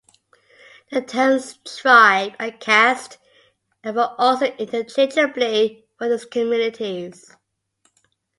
The terms "tribe" and "caste" were used interchangeably for these communities.